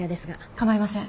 構いません。